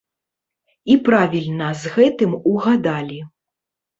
І правільна з гэтым угадалі.